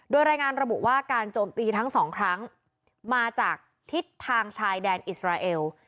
โดยรายงานระบุว่าการโจมตีทั้งสองครั้งมาจากทิศทางชายแดนอิสราเอล